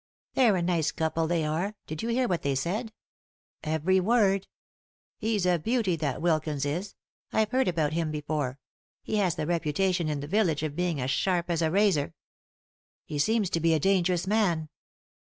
" They're a nice couple, they are. Did you hear what they said ?" "Every word." " He's a beauty, that Wilkins is. I've heard about him before. He has the reputation in the village of being as sharp as a razor." " He seems to be a dangerous man."